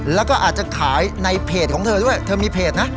แล้วก็อาจจะขายในเพจของเธอด้วยเธอมีเพจนะ